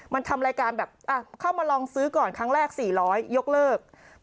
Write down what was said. มันทำรายการแบบเข้ามาลองซื้อก่อนครั้งแรก๔๐๐ยกเลิก